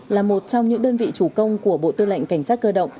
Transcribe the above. là một trong những đơn vị chủ công của bộ tư lệnh cảnh sát cơ động